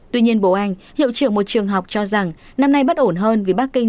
tuy nhiên bộ anh hiệu trưởng một trường học cho rằng năm nay bất ổn hơn vì bắc kinh